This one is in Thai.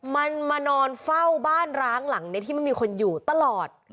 มันมานอนเฝ้าบ้านร้างหลังนี้ที่มันมีคนอยู่ตลอด